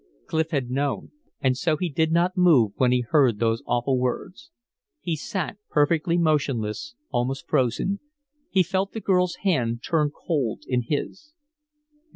Clif had known, and so he did not move when he heard those awful words. He sat perfectly motionless, almost frozen; he felt the girl's hand turn cold in his.